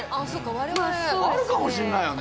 我々あるかもしんないよね